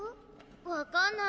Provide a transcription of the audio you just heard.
分かんない